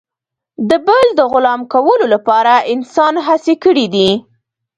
د بل د غلام کولو لپاره انسان هڅې کړي دي.